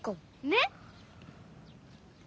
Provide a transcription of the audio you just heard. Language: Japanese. ねっ！